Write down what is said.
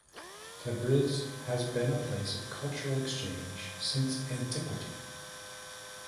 Tabriz has been a place of cultural exchange since antiquity.